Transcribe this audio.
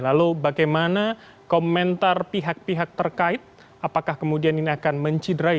lalu bagaimana komentar pihak pihak terkait apakah kemudian ini akan mencidrai